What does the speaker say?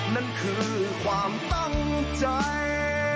นั่นคือความตั้งใจ